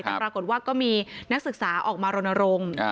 แต่ปรากฏว่าก็มีนักศึกษาออกมารณรงค์